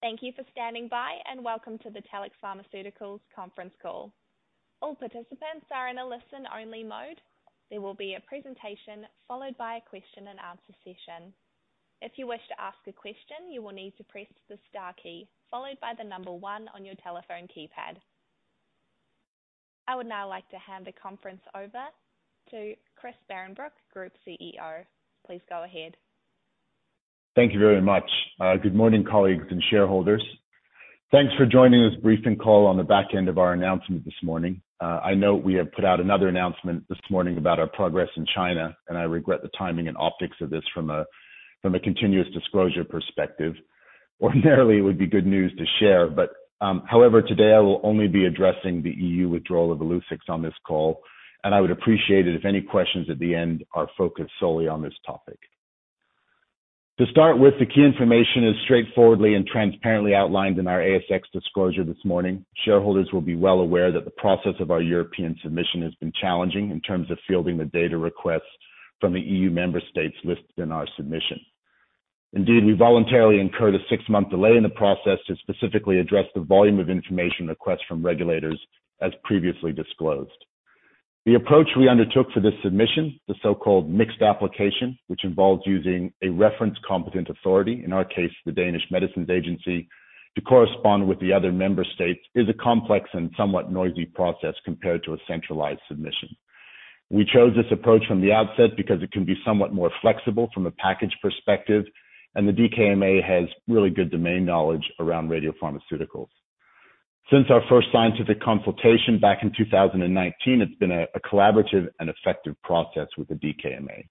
Thank you for standing by, and welcome to the Telix Pharmaceuticals Conference Call. All participants are in a listen-only mode. There will be a presentation followed by a question-and-answer session. If you wish to ask a question, you will need to press the star key followed by the number one on your telephone keypad. I would now like to hand the conference over to Christian Behrenbruch, Group CEO. Please go ahead. Thank you very much. Good morning, colleagues and shareholders. Thanks for joining this briefing call on the back end of our announcement this morning. I know we have put out another announcement this morning about our progress in China, and I regret the timing and optics of this from a continuous disclosure perspective. Ordinarily, it would be good news to share, but, however, today I will only be addressing the EU withdrawal of Illuccix on this call, and I would appreciate it if any questions at the end are focused solely on this topic. To start with, the key information is straightforwardly and transparently outlined in our ASX disclosure this morning. Shareholders will be well aware that the process of our European submission has been challenging in terms of fielding the data requests from the EU member states listed in our submission. Indeed, we voluntarily incurred a six-month delay in the process to specifically address the volume of information requests from regulators, as previously disclosed. The approach we undertook for this submission, the so-called mixed application, which involves using a reference competent authority, in our case, the Danish Medicines Agency, to correspond with the other member states, is a complex and somewhat noisy process compared to a centralized submission. We chose this approach from the outset because it can be somewhat more flexible from a package perspective, and the DKMA has really good domain knowledge around radiopharmaceuticals. Since our first scientific consultation back in 2019, it's been a collaborative and effective process with the DKMA.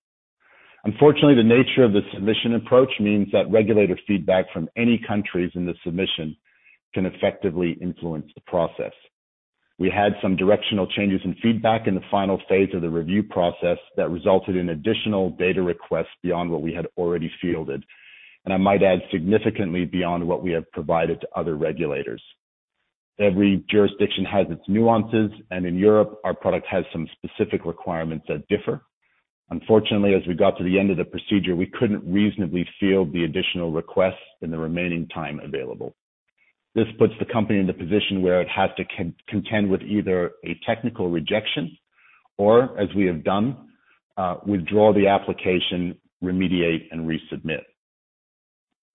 Unfortunately, the nature of the submission approach means that regulator feedback from any countries in the submission can effectively influence the process. We had some directional changes in feedback in the final phase of the review process that resulted in additional data requests beyond what we had already fielded, and I might add, significantly beyond what we have provided to other regulators. Every jurisdiction has its nuances, and in Europe, our product has some specific requirements that differ. Unfortunately, as we got to the end of the procedure, we couldn't reasonably field the additional requests in the remaining time available. This puts the company in the position where it has to contend with either a technical rejection or, as we have done, withdraw the application, remediate, and resubmit.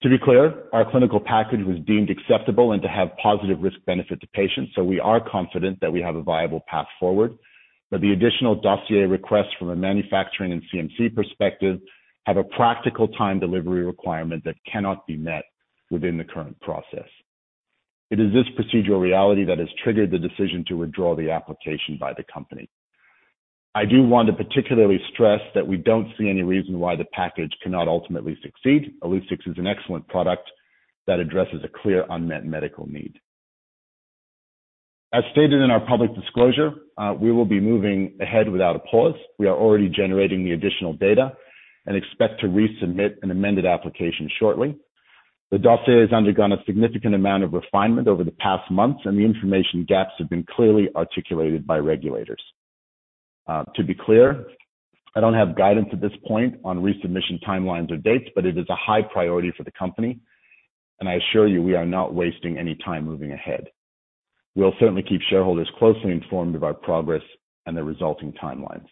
To be clear, our clinical package was deemed acceptable and to have positive risk benefit to patients, so we are confident that we have a viable path forward, but the additional dossier requests from a manufacturing and CMC perspective have a practical time delivery requirement that cannot be met within the current process. It is this procedural reality that has triggered the decision to withdraw the application by the company. I do want to particularly stress that we don't see any reason why the package cannot ultimately succeed. Illuccix is an excellent product that addresses a clear unmet medical need. As stated in our public disclosure, we will be moving ahead without a pause. We are already generating the additional data and expect to resubmit an amended application shortly. The dossier has undergone a significant amount of refinement over the past months, and the information gaps have been clearly articulated by regulators. To be clear, I don't have guidance at this point on resubmission timelines or dates, but it is a high priority for the company, and I assure you we are not wasting any time moving ahead. We'll certainly keep shareholders closely informed of our progress and the resulting timelines.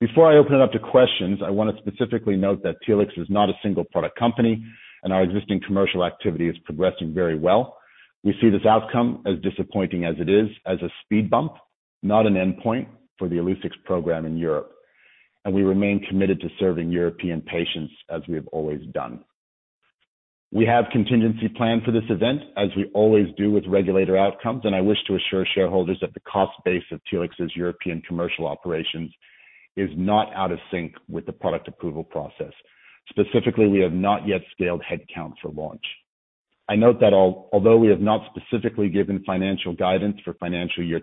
Before I open it up to questions, I wanna specifically note that Telix is not a single product company and our existing commercial activity is progressing very well. We see this outcome, as disappointing as it is, as a speed bump, not an endpoint for the Illuccix program in Europe, and we remain committed to serving European patients as we have always done. We have contingency plan for this event, as we always do with regulator outcomes, and I wish to assure shareholders that the cost base of Telix's European commercial operations is not out of sync with the product approval process. Specifically, we have not yet scaled head count for launch. I note that although we have not specifically given financial guidance for financial year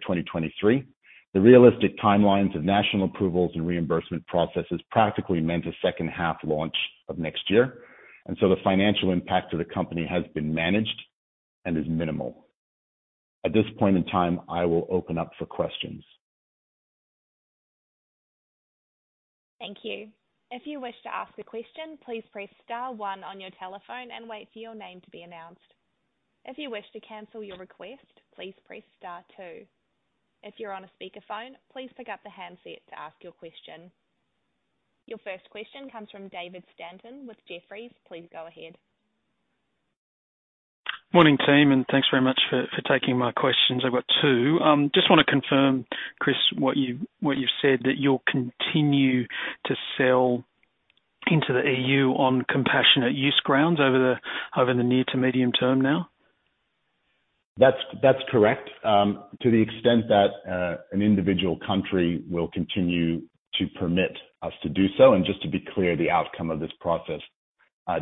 2023, the realistic timelines of national approvals and reimbursement processes practically meant a second half launch of next year, and so the financial impact to the company has been managed and is minimal. At this point in time, I will open up for questions. Thank you. If you wish to ask a question, please press star one on your telephone and wait for your name to be announced. If you wish to cancel your request, please press star two. If you're on a speakerphone, please pick up the handset to ask your question. Your first question comes from David Stanton with Jefferies. Please go ahead. Morning, team, and thanks very much for taking my questions. I've got two. Just wanna confirm, Chris, what you've said, that you'll continue to sell into the EU on compassionate use grounds over the near to medium-term now? That's correct, to the extent that an individual country will continue to permit us to do so. Just to be clear, the outcome of this process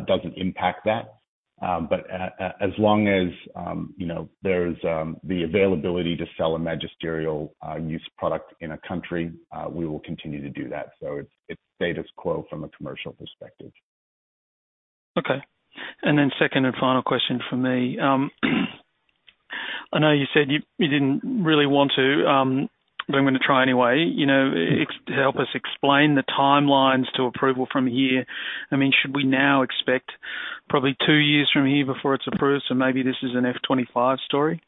doesn't impact that. As long as you know, there's the availability to sell a magisterial use product in a country, we will continue to do that. It's status quo from a commercial perspective. Okay. Second and final question from me. I know you said you didn't really want to, but I'm gonna try anyway. You know, help us explain the timelines to approval from here. I mean, should we now expect probably two years from here before it's approved, so maybe this is an FY 2025 story?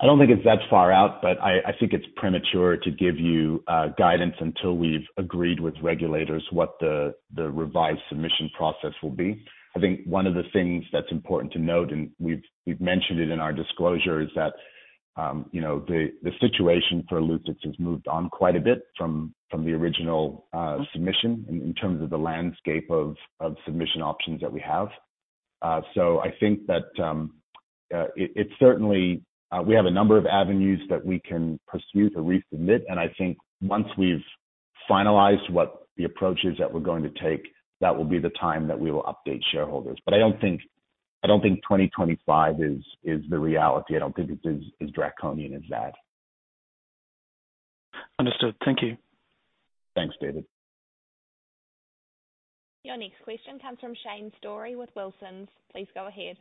I don't think it's that far out, but I think it's premature to give you guidance until we've agreed with regulators what the revised submission process will be. I think one of the things that's important to note, and we've mentioned it in our disclosure, is that, you know, the situation for Illuccix has moved on quite a bit from the original submission in terms of the landscape of submission options that we have. I think that we have a number of avenues that we can pursue to resubmit, and I think once we've finalized what the approach is that we're going to take, that will be the time that we will update shareholders. I don't think 2025 is the reality. I don't think it's as draconian as that. Understood. Thank you. Thanks, David. Your next question comes from Shane Storey with Wilsons. Please go ahead.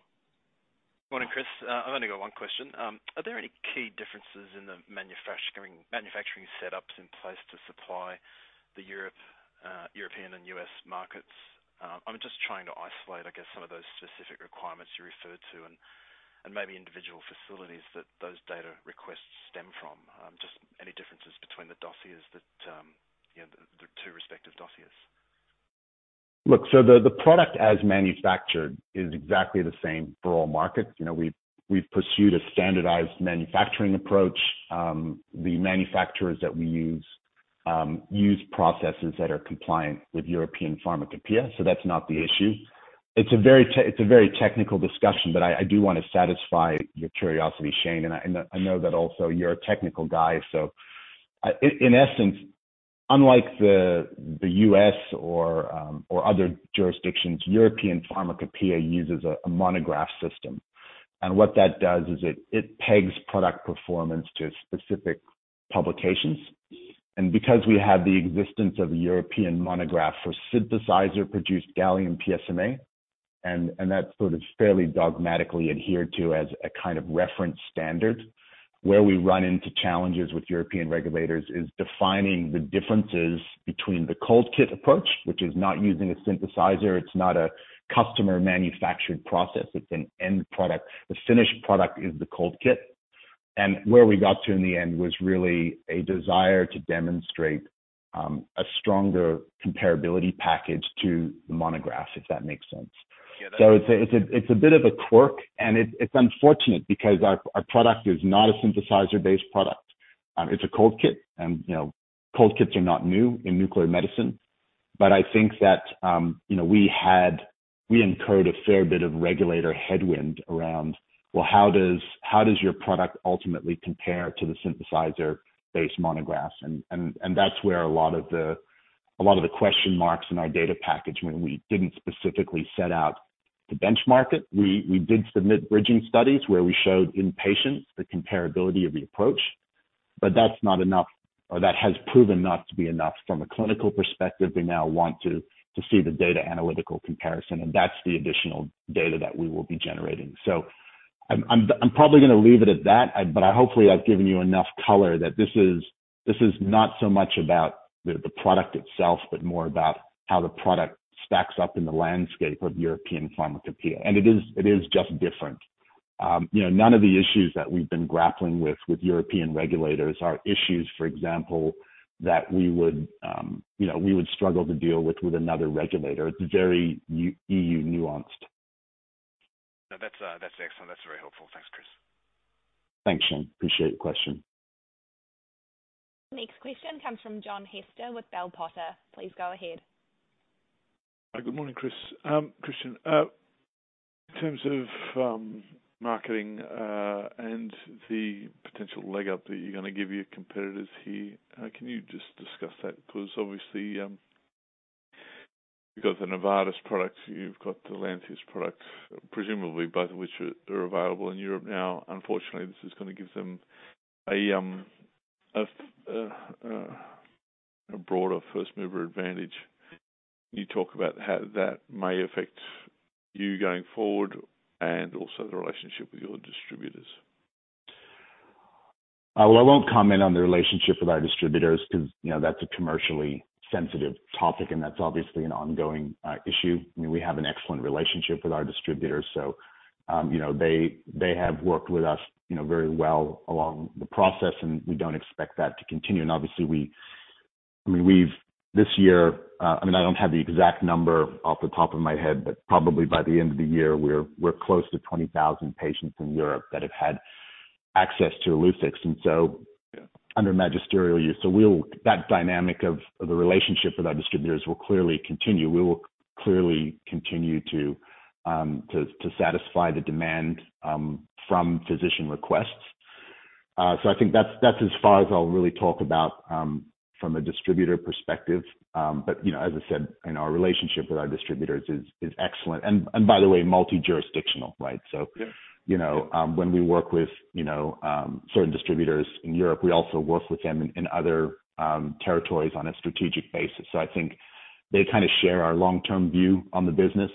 Morning, Chris. I've only got one question. Are there any key differences in the manufacturing setups in place to supply the European and U.S. markets? I'm just trying to isolate, I guess, some of those specific requirements you referred to and maybe individual facilities that those data requests stem from. Just any differences between the dossiers that, you know, the two respective dossiers? Look, the product as manufactured is exactly the same for all markets. You know, we've pursued a standardized manufacturing approach. The manufacturers that we use use processes that are compliant with European Pharmacopoeia, so that's not the issue. It's a very technical discussion, but I do wanna satisfy your curiosity, Shane, and I know that also you're a technical guy. In essence, unlike the US or other jurisdictions, European Pharmacopoeia uses a monograph system. What that does is it pegs product performance to specific publications. Because we have the existence of a European monograph for synthesizer-produced gallium PSMA, and that's sort of fairly dogmatically adhered to as a kind of reference standard, where we run into challenges with European regulators is defining the differences between the cold kit approach, which is not using a synthesizer. It's not a customer manufactured process. It's an end product. The finished product is the cold kit. Where we got to in the end was really a desire to demonstrate a stronger comparability package to the monograph, if that makes sense. Yeah. It's a bit of a quirk, and it's unfortunate because our product is not a synthesizer-based product. It's a cold kit and, you know, cold kits are not new in nuclear medicine. I think that we incurred a fair bit of regulator headwind around how does your product ultimately compare to the synthesizer-based monographs? That's where a lot of the question marks in our data package when we didn't specifically set out to benchmark it. We did submit bridging studies where we showed in patients the comparability of the approach, but that's not enough or that has proven not to be enough from a clinical perspective. They now want to see the data analytical comparison, and that's the additional data that we will be generating. I'm probably gonna leave it at that, but I hope I've given you enough color that this is not so much about the product itself, but more about how the product stacks up in the landscape of European Pharmacopoeia. It is just different. You know, none of the issues that we've been grappling with European regulators are issues, for example, that we would struggle to deal with another regulator. It's very EU nuanced. No. That's excellent. That's very helpful. Thanks, Chris. Thanks, Shane. Appreciate the question. Next question comes from John Hester with Bell Potter. Please go ahead. Good morning, Christian. In terms of marketing and the potential leg up that you're gonna give your competitors here, can you just discuss that? 'Cause obviously, you've got the Novartis products, you've got the Lantheus products, presumably both of which are available in Europe now. Unfortunately, this is gonna give them a broader first mover advantage. Can you talk about how that may affect you going forward and also the relationship with your distributors? Well, I won't comment on the relationship with our distributors 'cause, you know, that's a commercially sensitive topic, and that's obviously an ongoing issue. I mean, we have an excellent relationship with our distributors, so, you know, they have worked with us, you know, very well along the process, and we don't expect that to continue. Obviously, I mean, this year, I mean, I don't have the exact number off the top of my head, but probably by the end of the year we're close to 20,000 patients in Europe that have had access to Illuccix, and so under magisterial use. That dynamic of the relationship with our distributors will clearly continue. We will clearly continue to satisfy the demand from physician requests. I think that's as far as I'll really talk about from a distributor perspective. You know, as I said, you know, our relationship with our distributors is excellent and, by the way, multi-jurisdictional, right? Yeah. You know, when we work with, you know, certain distributors in Europe, we also work with them in other territories on a strategic basis. I think they kind of share our long-term view on the business.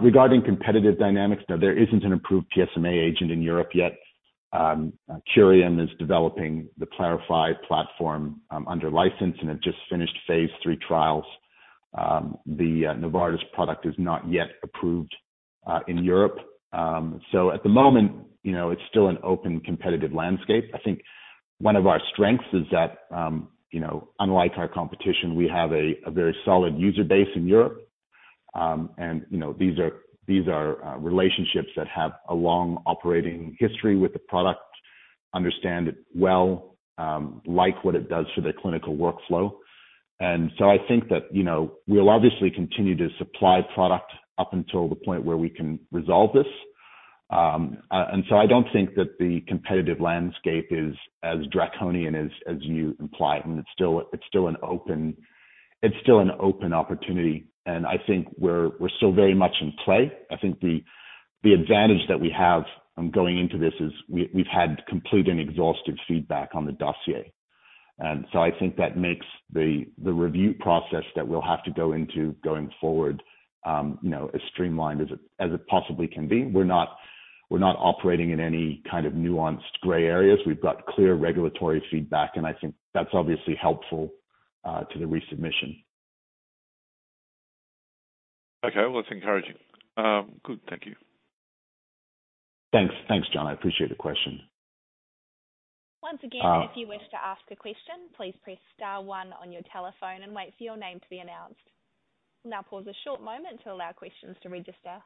Regarding competitive dynamics, now, there isn't an approved PSMA agent in Europe yet. Curium is developing the Pylclari platform under license, and it just finished phase III trials. The Novartis product is not yet approved in Europe. At the moment, you know, it's still an open, competitive landscape. I think one of our strengths is that, you know, unlike our competition, we have a very solid user base in Europe. You know, these are relationships that have a long operating history with the product, understand it well, like what it does for their clinical workflow. I think that, you know, we'll obviously continue to supply product up until the point where we can resolve this. I don't think that the competitive landscape is as draconian as you implied, and it's still an open opportunity, and I think we're still very much in play. I think the advantage that we have going into this is we've had complete and exhaustive feedback on the dossier. I think that makes the review process that we'll have to go into going forward as streamlined as it possibly can be. We're not operating in any kind of nuanced gray areas. We've got clear regulatory feedback, and I think that's obviously helpful to the resubmission. Okay. Well, that's encouraging. Good. Thank you. Thanks. Thanks, John. I appreciate the question. Once again, if you wish to ask a question, please press star one on your telephone and wait for your name to be announced. We'll now pause a short moment to allow questions to register.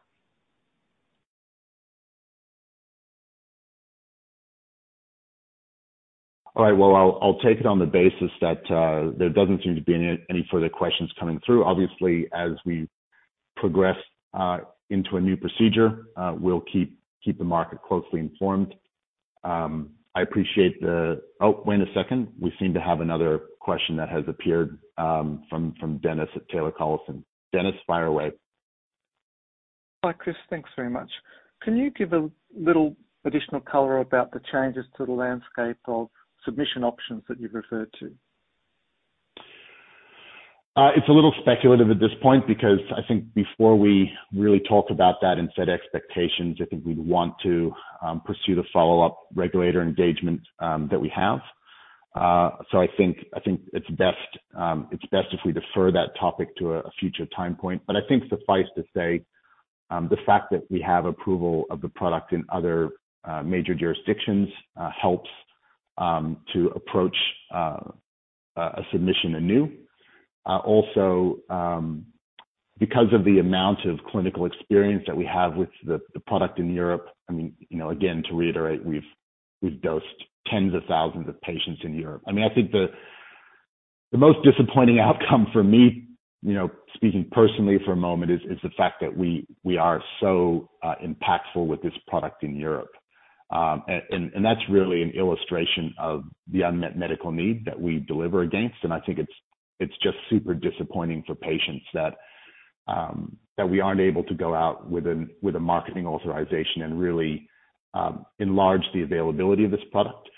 All right. Well, I'll take it on the basis that there doesn't seem to be any further questions coming through. Obviously, as we progress into a new procedure, we'll keep the market closely informed. I appreciate the. Oh, wait a second. We seem to have another question that has appeared from Dennis at Taylor Collison. Dennis, fire away. Hi, Chris. Thanks very much. Can you give a little additional color about the changes to the landscape of submission options that you've referred to? It's a little speculative at this point because I think before we really talk about that and set expectations, I think we'd want to pursue the follow-up regulator engagement that we have. I think it's best if we defer that topic to a future time point. I think suffice to say, the fact that we have approval of the product in other major jurisdictions helps to approach a submission anew. Also, because of the amount of clinical experience that we have with the product in Europe, I mean, you know, again, to reiterate, we've dosed tens of thousands of patients in Europe. I mean, I think the most disappointing outcome for me, you know, speaking personally for a moment, is the fact that we are so impactful with this product in Europe. That's really an illustration of the unmet medical need that we deliver against. I think it's just super disappointing for patients that we aren't able to go out with a marketing authorization and really enlarge the availability of this product.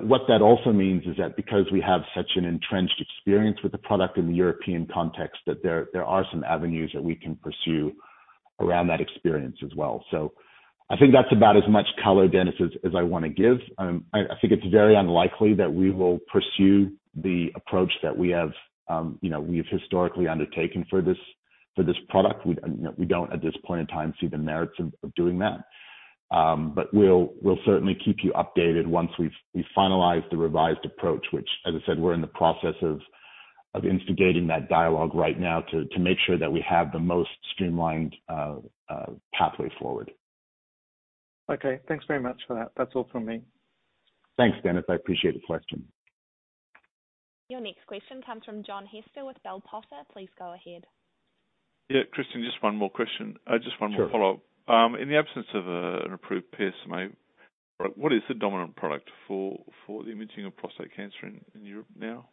What that also means is that because we have such an entrenched experience with the product in the European context, that there are some avenues that we can pursue around that experience as well. I think that's about as much color, Dennis, as I wanna give. I think it's very unlikely that we will pursue the approach that we have, you know, we've historically undertaken for this product. We don't, you know, at this point in time, see the merits of doing that. We'll certainly keep you updated once we've finalized the revised approach, which, as I said, we're in the process of instigating that dialogue right now to make sure that we have the most streamlined pathway forward. Okay. Thanks very much for that. That's all from me. Thanks, Dennis. I appreciate the question. Your next question comes from John Hester with Bell Potter. Please go ahead. Yeah, Chris, just one more question. Just one more follow-up. Sure. In the absence of an approved PSMA, what is the dominant product for the imaging of prostate cancer in Europe now?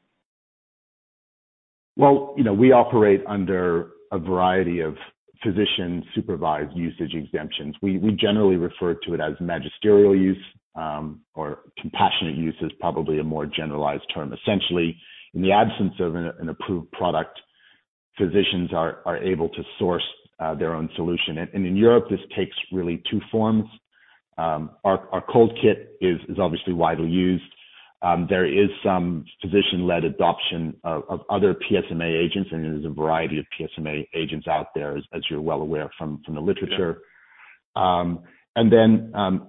Well, you know, we operate under a variety of physician-supervised usage exemptions. We generally refer to it as magisterial use, or compassionate use is probably a more generalized term. Essentially, in the absence of an approved product, physicians are able to source their own solution. In Europe, this takes really two forms. Our cold kit is obviously widely used. There is some physician-led adoption of other PSMA agents, and there's a variety of PSMA agents out there as you're well aware from the literature.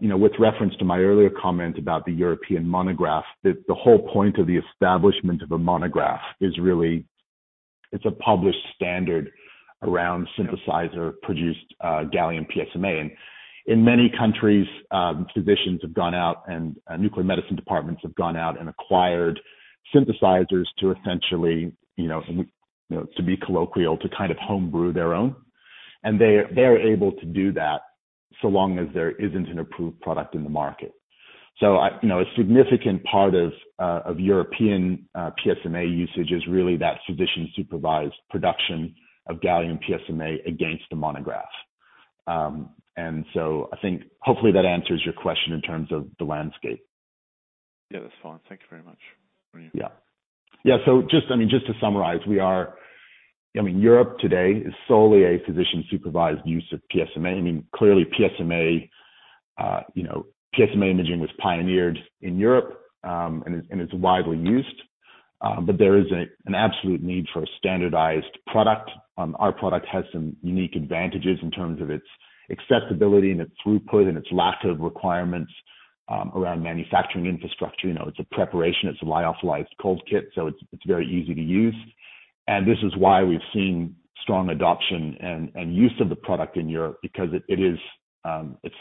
You know, with reference to my earlier comment about the European monograph, the whole point of the establishment of a monograph is really, it's a published standard around synthesizer-produced gallium PSMA. In many countries, physicians have gone out and nuclear medicine departments have gone out and acquired synthesizers to essentially, you know, to be colloquial, to kind of home brew their own. They're able to do that so long as there isn't an approved product in the market. You know, a significant part of European PSMA usage is really that physician-supervised production of gallium PSMA against the monograph. I think hopefully that answers your question in terms of the landscape. Yeah, that's fine. Thank you very much. Just to summarize, Europe today is solely a physician-supervised use of PSMA. Clearly PSMA imaging was pioneered in Europe and is widely used. But there is an absolute need for a standardized product. Our product has some unique advantages in terms of its accessibility and its throughput and its lack of requirements around manufacturing infrastructure. It's a preparation, it's a lyophilized cold kit, so it's very easy to use. This is why we've seen strong adoption and use of the product in Europe because it is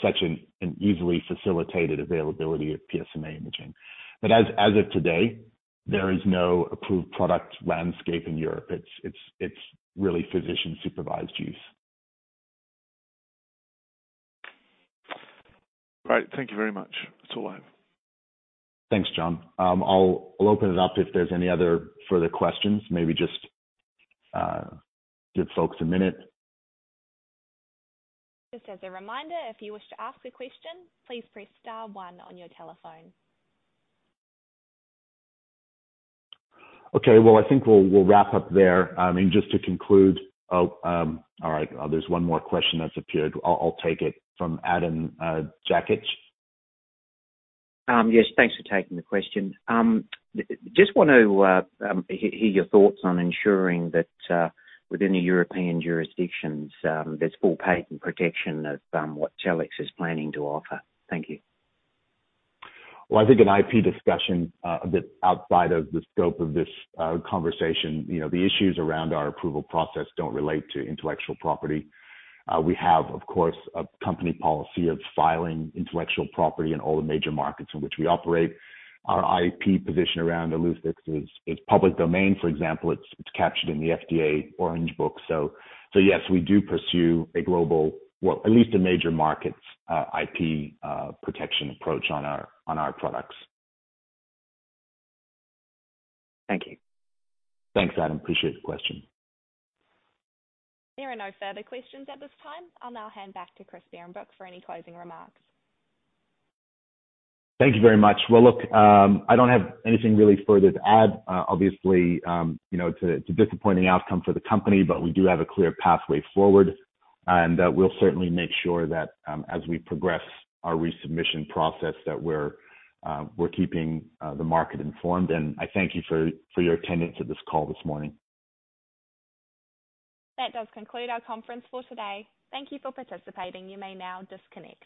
such an easily facilitated availability of PSMA imaging. As of today, there is no approved product landscape in Europe. It's really physician-supervised use. Right. Thank you very much. That's all I have. Thanks, John. I'll open it up if there's any other further questions. Maybe just give folks a minute. Just as a reminder, if you wish to ask a question, please press star one on your telephone. Okay. Well, I think we'll wrap up there. I mean, just to conclude, all right, there's one more question that's appeared. I'll take it from Adam Jacketch. Yes, thanks for taking the question. Just want to hear your thoughts on ensuring that within the European jurisdictions, there's full patent protection of what Telix is planning to offer. Thank you. Well, I think an IP discussion a bit outside of the scope of this conversation, you know, the issues around our approval process don't relate to intellectual property. We have, of course, a company policy of filing intellectual property in all the major markets in which we operate. Our IP position around Illuccix is public domain, for example. It's captured in the FDA Orange Book. Yes, we do pursue a global, well, at least major markets IP protection approach on our products. Thank you. Thanks, Adam. Appreciate the question. There are no further questions at this time. I'll now hand back to Christian Behrenbruch for any closing remarks. Thank you very much. Well, look, I don't have anything really further to add. Obviously, you know, it's a disappointing outcome for the company, but we do have a clear pathway forward. We'll certainly make sure that, as we progress our resubmission process, that we're keeping the market informed. I thank you for your attendance at this call this morning. That does conclude our conference for today. Thank you for participating. You may now disconnect.